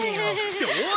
っておい！